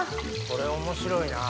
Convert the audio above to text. これ面白いな。